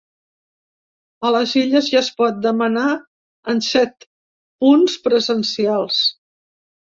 A les Illes ja es pot demanar en set punts presencials.